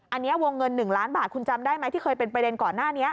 อันนี้วงเงิน๑ล้านบาทคุณจำได้ไหมที่เคยเป็นประเด็นก่อนหน้านี้